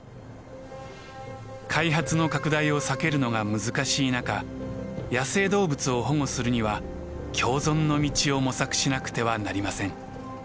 開発の拡大を避けるのが難しい中野生動物を保護するには共存の道を模索しなくてはなりません。